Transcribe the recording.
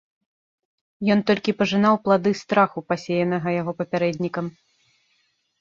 Ён толькі пажынаў плады страху, пасеянага яго папярэднікам.